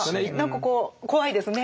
なんかこう怖いですね。